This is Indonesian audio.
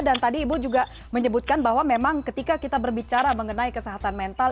dan tadi ibu juga menyebutkan bahwa memang ketika kita berbicara mengenai kesehatan mental